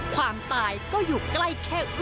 ความตายก็อยู่ใกล้แค่